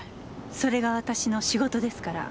それが私の仕事ですから。